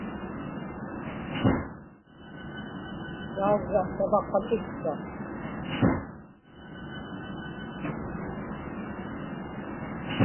taagga savaqatitka